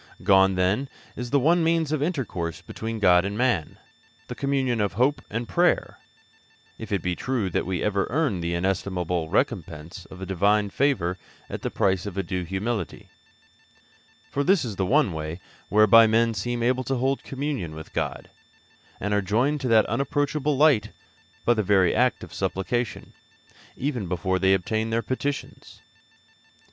Gone, then, is the one means of intercourse between God and man the communion of hope and prayer if it be true that we ever earn the inestimable recompense of the Divine favour at the price of a due humility; for this is the one way whereby men seem able to hold communion with God, and are joined to that unapproachable light by the very act of supplication, even before they obtain their petitions.